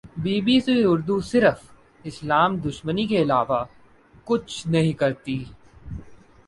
be B C Urdu صرف اسلام دشمنی کے علاوہ کچھ نہیں کرتی